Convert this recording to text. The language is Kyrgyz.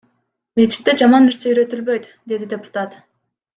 Мечитте жаман нерсе үйрөтүлбөйт, — деди депутат.